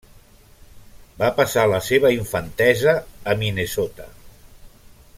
Va passar la seva infantesa a Minnesota.